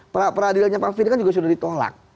peradilannya pak firly kan sudah ditolak